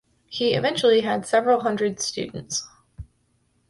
He eventually had several hundred students.